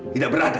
tidak beradab kamu